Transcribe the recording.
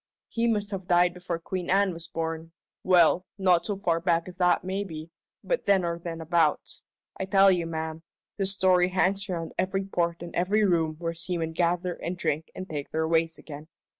He must have died before Queen Anne was born well, not so far back as that maybe, but then or thenabouts. I tell you, ma'am, this story hangs around every port and every room where seamen gather and drink and take their ways again.